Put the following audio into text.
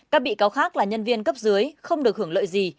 các bị cáo khác là nhân viên cấp dưới không được hưởng lợi gì